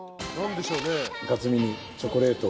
何でしょうね？